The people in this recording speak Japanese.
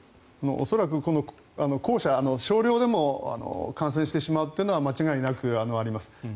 恐らく、後者少量でも感染してしまうというのは間違いなくあります。